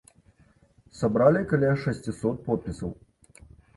Сабралі каля шасцісот подпісаў.